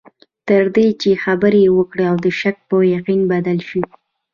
تر دې چې خبرې وکړې او د شک په یقین بدل شي.